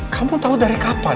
kamu tahu dari kapan